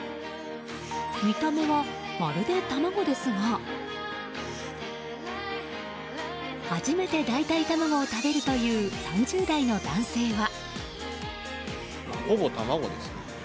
見た目は、まるで卵ですが初めて代替卵を食べるという３０代の男性は。